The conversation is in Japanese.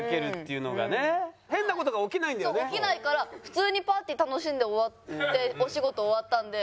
そう起きないから普通にパーティー楽しんで終わってお仕事終わったんで。